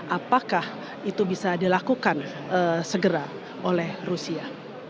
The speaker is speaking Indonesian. apakah itu bisa dilakukan segera oleh rusia